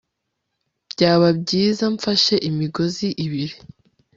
byaba byiza mfashe imigozi ibiri